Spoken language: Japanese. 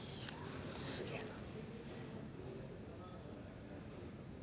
すげえな。